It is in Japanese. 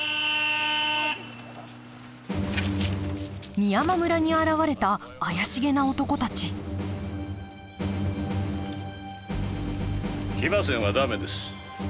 美山村に現れた怪しげな男たち騎馬戦は駄目です。